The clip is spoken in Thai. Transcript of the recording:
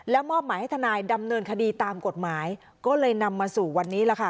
มอบหมายให้ทนายดำเนินคดีตามกฎหมายก็เลยนำมาสู่วันนี้ล่ะค่ะ